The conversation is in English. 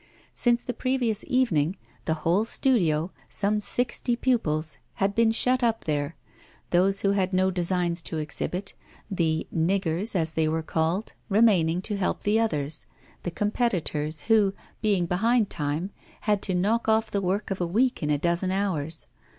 Since the previous evening, the whole studio, some sixty pupils, had been shut up there; those who had no designs to exhibit 'the niggers,' as they were called remaining to help the others, the competitors who, being behind time, had to knock off the work of a week in a dozen hours.